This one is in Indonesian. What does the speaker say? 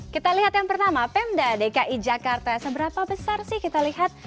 kita lihat yang pertama pemda dki jakarta seberapa besar sih kita lihat